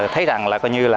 thấy rằng là coi như là